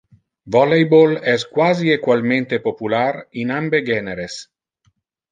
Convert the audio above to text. Volleyball es quasi equalmente popular in ambe generes.